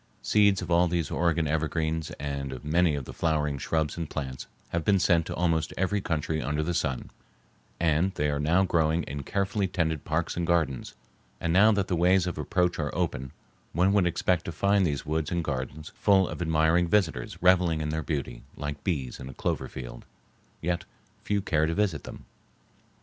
Seeds of all these Oregon evergreens and of many of the flowering shrubs and plants have been sent to almost every country under the sun, and they are now growing in carefully tended parks and gardens. And now that the ways of approach are open one would expect to find these woods and gardens full of admiring visitors reveling in their beauty like bees in a clover field. Yet few care to visit them.